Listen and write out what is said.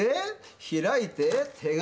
開いて手紙。